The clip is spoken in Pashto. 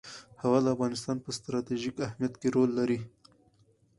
هوا د افغانستان په ستراتیژیک اهمیت کې رول لري.